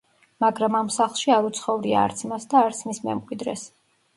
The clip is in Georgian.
მაგრამ ამ სახლში არ უცხოვრია არც მას და არც მის მემკვიდრეს.